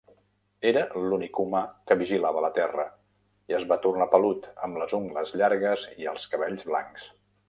Era l'únic humà que vigilava la terra i es va tornar pelut, amb les ungles llargues i els cabells blancs.